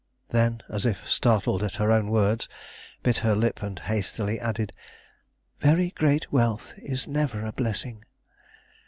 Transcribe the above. Then, as if startled at her own words, bit her lip and hastily added: "Very great wealth is never a blessing.